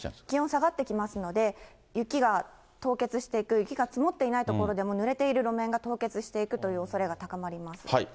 気温下がってきますので、雪が凍結していく、雪が積もっていない所でも、ぬれている路面が凍結していくというおそれが高まります。